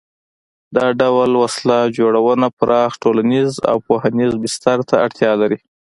دا ډول وسله جوړونه پراخ ټولنیز او پوهنیز بستر ته اړتیا لري.